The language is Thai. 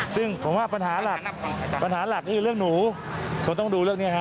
ซึ่งผมว่าปัญหาหลักปัญหาหลักก็คือเรื่องหนูคงต้องดูเรื่องนี้ฮะ